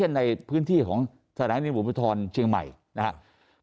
ในพื้นที่ของสถานีบุภรเชียงใหม่นะครับ